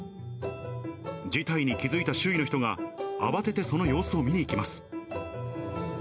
事態に気付いた周囲の人が、慌ててその様子を見に行きます。